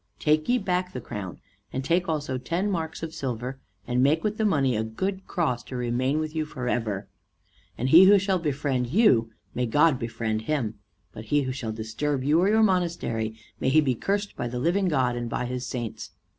Take ye back the crown, and take also ten marks of silver, and make with the money a good cross, to remain with you forever. And he who shall befriend you, may God befriend him; but he who shall disturb you or your monastery, may he be cursed by the living God and by his saints."